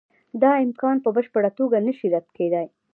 دا امکان په بشپړه توګه نشي رد کېدای.